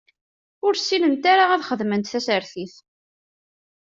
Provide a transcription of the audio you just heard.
Ur ssinent ara ad xedment tasertit.